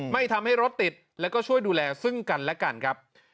ไม่ทำให้รถติดแล้วก็ช่วยดูแลซึ่งกันและกันครับ